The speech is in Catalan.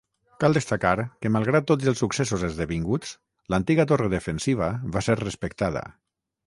Cal destacar que malgrat tots els successos esdevinguts, l'antiga torre defensiva va ser respectada.